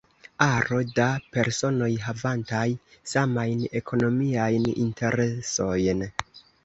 Aro da personoj havantaj samajn ekonomiajn interesojn.